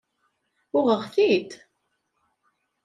Uɣeɣ-t-id.